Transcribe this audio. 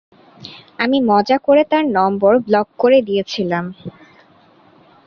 আমি মজা করে তার নাম্বার ব্লক করে দিয়েছিলাম।